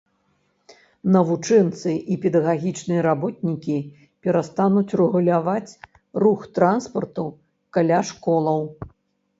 Навучэнцы і педагагічныя работнікі перастануць рэгуляваць рух транспарту каля школаў.